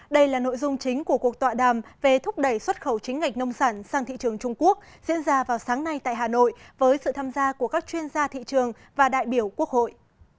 đây là nội dung chính của cuộc tọa đàm về thúc đẩy xuất khẩu chính ngạch nông sản sang thị trường trung quốc diễn ra vào sáng nay tại hà nội với sự tham gia của các chuyên gia thị trường và đại biểu quốc hội